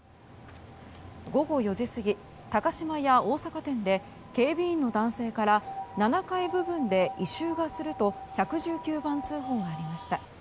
午後４時過ぎ、高島屋大阪店で警備員の男性から７階部分で異臭がすると１１９番通報がありました。